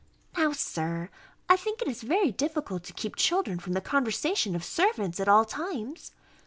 Now, Sir, I think it is very difficult to keep children from the conversation of servants at all times.